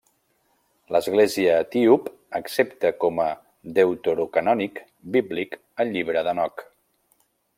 L'Església Etíop accepta com deuterocanònic bíblic el Llibre d'Henoc.